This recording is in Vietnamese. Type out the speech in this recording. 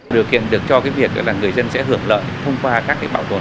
điều kiện được cho cái việc là người dân sẽ hưởng lợi thông qua các cái bảo tồn